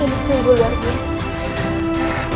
ini sungguh luar biasa